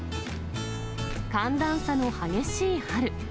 寒暖差の激しい春。